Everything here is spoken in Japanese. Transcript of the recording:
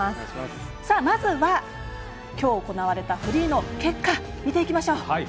まずは、きょう行われたフリーの結果を見ていきましょう。